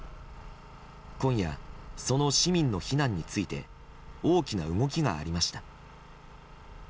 今夜、その市民の避難について大きな動きがありました。